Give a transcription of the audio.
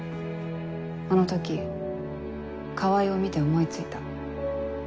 あの時川合を見て思い付いた。